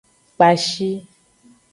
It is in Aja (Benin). Kpashi.